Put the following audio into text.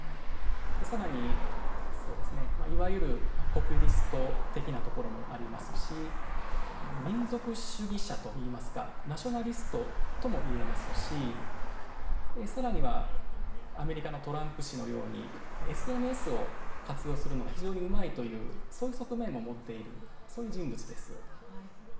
更に、いわゆるポピュリスト的なところもありますし民族主義者といいますかナショナリストともいえますし更にはアメリカのトランプ氏のようにＳＮＳを活用するのが非常にうまいというそういう側面も持っているというそういう人物です。